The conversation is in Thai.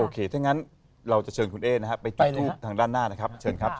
โอเคถ้างั้นเราจะเชิญคุณเอ๊ะนะครับ